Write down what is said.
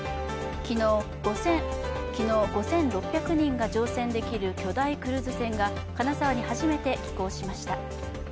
昨日、５６００人が乗船できる巨大クルーズ船が金沢に初めて寄港しました。